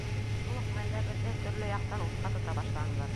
Шул уҡ мәлдә беҙҙе төрлө яҡтан утҡа тота башланылар.